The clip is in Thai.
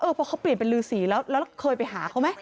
เพราะเขาเปลี่ยนเป็นรือสีแล้วเคยไปหาเขาไหม